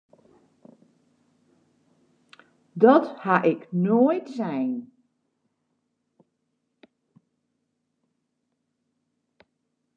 Dat ha ik noait sein!